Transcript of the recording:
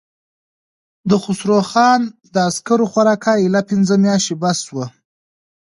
د خسرو خان د عسکرو خوراکه اېله پنځه مياشتې بس شوه.